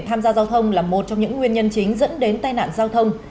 kiểm tra nồng độ cồn